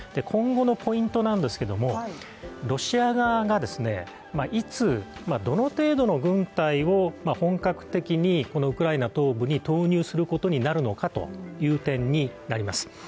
今後のポイントなんですけれども、ロシア側がいつ、どの程度の軍隊を本格的にウクライナ東部に投入することになるのかという点になります。